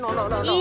tidak tidak tidak